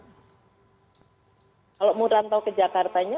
kalau merantau ke jakartanya